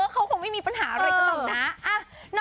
เขาคงไม่มีปัญหาอะไรกันหรอกนะ